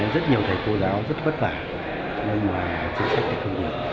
rất nhiều thầy cô giáo rất bất vả nên mà chính sách thì không được